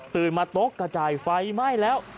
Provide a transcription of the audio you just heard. มาตกกระจายไฟไหม้แล้ว